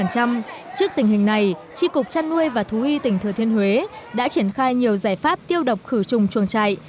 trước tình hình này tri cục chăn nuôi và thú y tỉnh thừa thiên huế đã triển khai nhiều giải pháp tiêu độc khử trùng chuồng trại